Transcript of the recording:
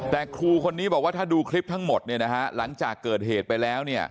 แต่ครูคนนี้บอกว่าถ้าดูคลิปทั้งหมดหลังจากเกิดเหตุไปแล้ว